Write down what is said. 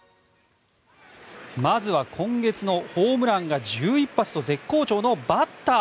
まずは今月のホームランが１１発と絶好調のバッター